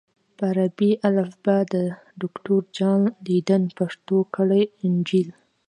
په عربي الفبا د دوکتور جان لیدن پښتو کړی انجیل